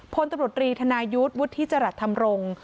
พลตำรวจรีธนายุทธ์วุฒิจรัสธรรมรงค์